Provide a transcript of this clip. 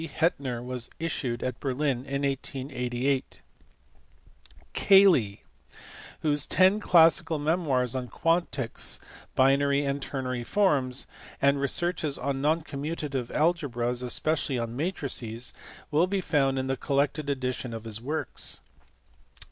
Hettner, was issued at Berlin in 1888. Cayley (see pp. 462, 469, 481), whose ten classical memoirs on quantics (binary and ternary forms) and researches on non commutative algebras, especially on matrices, will be found in the collected edition of his works.